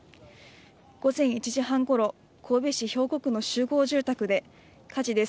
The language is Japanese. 午前１時半ごろ神戸市兵庫区の集合住宅で火事です